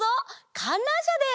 かんらんしゃです！